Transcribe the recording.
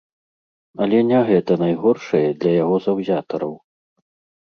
Але не гэта найгоршае для яго заўзятараў.